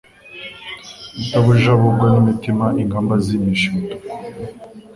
Rutajabukwa n'imitima ingamba zimisha imituku